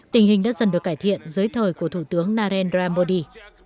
tình hình đã dần được cải thiện dưới thời của thủ tướng narendra modi